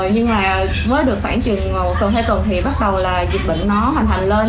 nhưng mà mới được khoảng trường một tuần hai tuần thì bắt đầu là dịch bệnh nó hành hành lên